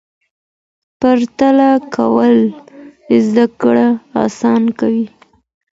پرتله کول زده کړه اسانه کوي.